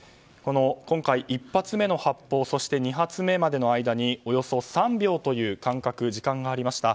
今回、１発目の発砲そして２発目までの間におよそ３秒という間隔時間がありました。